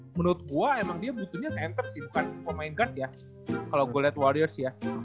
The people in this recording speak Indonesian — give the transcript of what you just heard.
kalo gak menurut gua emang dia butuhnya center sih bukan pemain guard ya kalo gua liat warriors ya